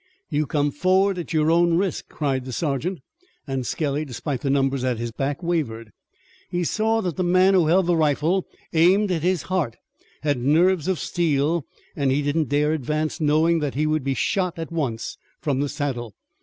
"You come forward at your own risk!" cried the sergeant, and Skelly, despite the numbers at his back, wavered. He saw that the man who held the rifle aimed at his heart had nerves of steel, and he did not dare advance knowing that he would be shot at once from the saddle.